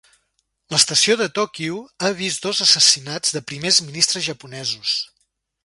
L'estació de Tòquio ha vist dos assassinats de primers ministres japonesos.